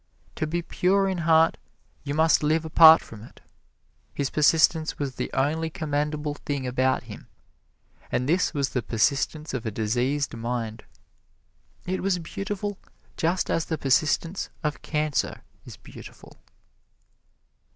To be pure in heart you must live apart from it. His persistence was the only commendable thing about him, and this was the persistence of a diseased mind. It was beautiful just as the persistence of cancer is beautiful.